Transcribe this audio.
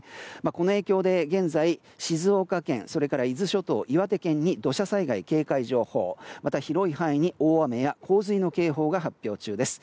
この影響で現在、静岡県それから伊豆諸島、岩手県に土砂災害警戒情報がまた広い範囲に大雨や洪水の警報が発表中です。